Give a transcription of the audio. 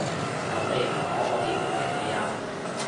噉你唔講我點會明你啊？